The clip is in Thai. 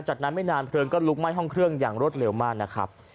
จากนั้นไม่นานเพลิงก็ลุกไหม้ห้องเครื่องอย่างรวดเร็วมากนะครับ